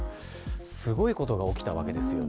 すごいことが起きたわけです。